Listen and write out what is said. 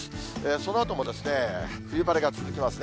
そのあとも冬晴れが続きますね。